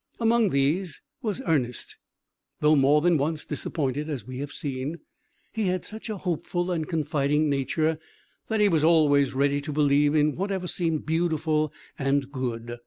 Among these was Ernest. Though more than once disappointed, as we have seen, he had such a hopeful and confiding nature, that he was always ready to believe in whatever seemed beautiful and good.